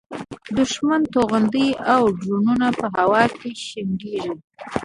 د دوښمن توغندي او ډرونونه په هوا کې شنډېږي.